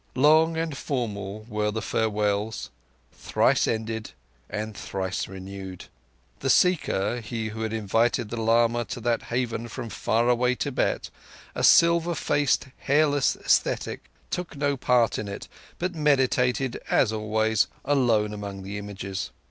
Long and formal were the farewells, thrice ended and thrice renewed. The Seeker—he who had invited the lama to that haven from far away Tibet, a silver faced, hairless ascetic—took no part in it, but meditated, as always, alone among the images.